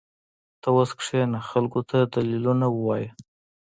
ته اوس کښېنه خلقو ته دليلونه ووايه.